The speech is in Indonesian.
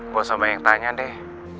bos sama yang tanya deh